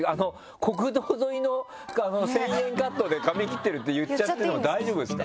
国道沿いの１０００円カットで髪切ってるって言っちゃってるの大丈夫ですか？